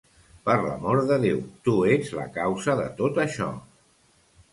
Per l'amor de Déu, tu ets la causa de tot això!